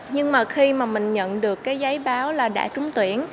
nhưng mà khi mà mình nhận được cái giấy báo là đã trúng tuyển